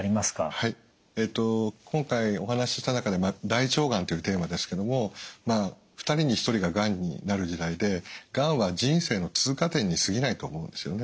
はい今回お話しした中で大腸がんというテーマですけども２人に１人ががんになる時代でがんは人生の通過点にすぎないと思うんですよね。